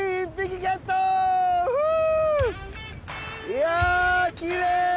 いやきれい！